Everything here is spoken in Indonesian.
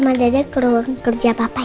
saya mau ke rumah kerja papa